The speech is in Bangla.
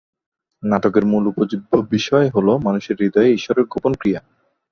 নাটকের মূল উপজীব্য বিষয় হল মানুষের হৃদয়ে ঈশ্বরের গোপন ক্রিয়া।